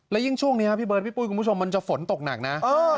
และยิ่งช่วงนี้ครับพี่เบิร์ดพี่ปุ้ยคุณผู้ชมมันจะฝนตกหนักนะ